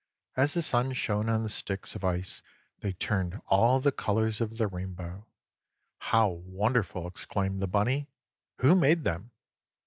As the sun shone on the sticks of ice they turned all the colors of the rainbow. "How wonderful!" exclaimed the bunny. "Who made them?"